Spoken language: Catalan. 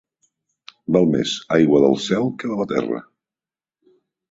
Val més aigua del cel que de la terra.